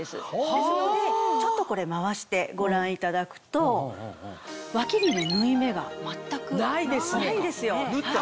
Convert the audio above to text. ですのでちょっとこれ回してご覧いただくと脇にね縫い目が全くないんですよ。